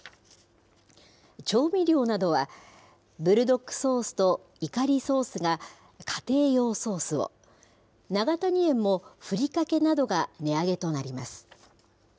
調味料などは、ブルドックソースとイカリソースが、家庭用ソースを、永谷園もふりかけなどが値上げとなります。